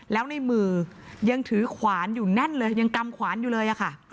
แล้วในมือยังถือขวานอยู่แน่นเลยยังกำขวานอยู่เลยอะค่ะ